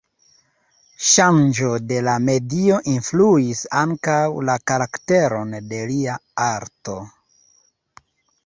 Ŝanĝo de la medio influis ankaŭ la karakteron de lia arto.